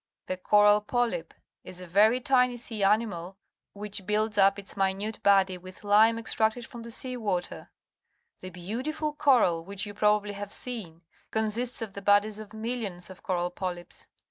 The coral polyp is a very tiny sea animal, which builds up its minute body with lime extracted from the sea water. The beautiful coral, which you probably have seen, consists of 44 PUBLIC SCHOOL GEOGEAPHY the bodies of millions of coral polyps.